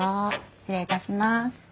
失礼いたします。